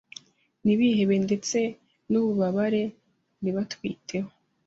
ntibihebe ndetse n’ububabare ntibabwiteho.